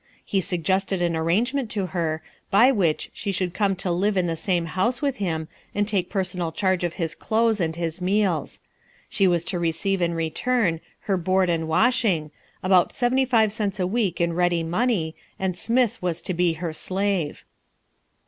He suggested an arrangement to her, by which she should come and live in the same house with him and take personal charge of his clothes and his meals. She was to receive in return her board and washing, about seventy five cents a week in ready money, and Smith was to be her slave.